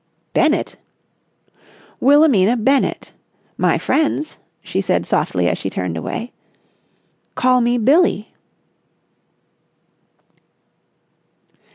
"Bennett!" "Wilhelmina Bennett. My friends," she said softly as she turned away, "call me Billie!"